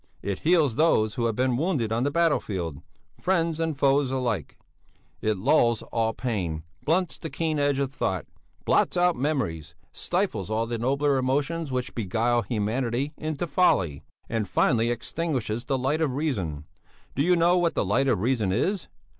It heals those who have been wounded on the battlefield, friends and foes alike; it lulls all pain, blunts the keen edge of thought, blots out memories, stifles all the nobler emotions which beguile humanity into folly, and finally extinguishes the light of reason. Do you know what the light of reason is?